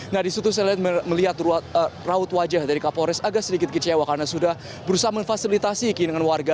nah disitu saya melihat raut wajah dari kapolres agak sedikit kecewa karena sudah berusaha memfasilitasi keinginan warga